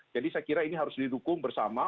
jadi saya kira ini harus didukung bersama